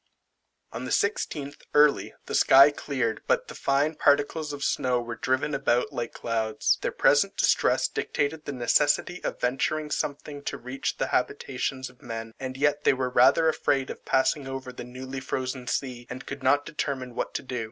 On the 16th, early, the sky cleared, but the fine particles of snow were driven about like clouds. Their present distress dictated the necessity of venturing something to reach the habitations of men, and yet they were rather afraid of passing over the newly frozen sea, and could not determine what to do.